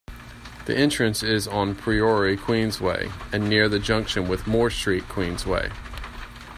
The entrance is on Priory Queensway, and near the junction with Moor Street Queensway.